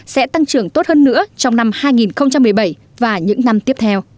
sẽ tăng trưởng tốt hơn nữa trong năm hai nghìn một mươi bảy và những năm tiếp theo